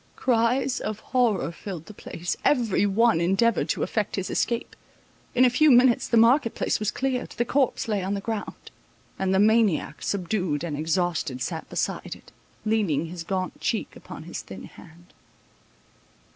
Cries of horror filled the place—every one endeavoured to effect his escape—in a few minutes the market place was cleared—the corpse lay on the ground; and the maniac, subdued and exhausted, sat beside it, leaning his gaunt cheek upon his thin hand.